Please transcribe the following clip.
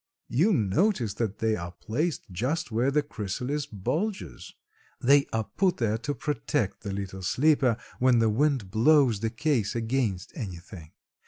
"You notice that they are placed just where the chrysalis bulges; they are put there to protect the little sleeper when the wind blows the case against anything.